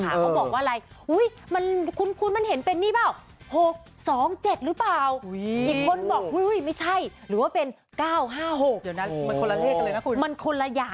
เค้าก็บอกว่าอะไรคุณมันเห็นเป็นนี่จริงเปล่า